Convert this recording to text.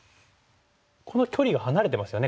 この距離が離れてますよね